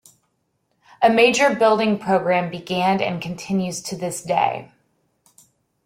A major building programme began and continues to this day.